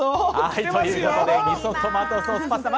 はいということで「みそトマトソースパスタ」